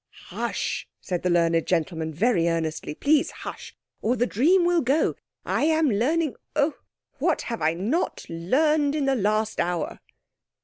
"Hush!" said the learned gentleman very earnestly, "please, hush! or the dream will go. I am learning... Oh, what have I not learned in the last hour!"